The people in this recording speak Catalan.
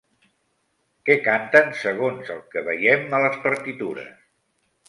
Què canten segons el que veiem a les partitures?